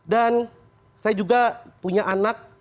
dan saya juga punya anak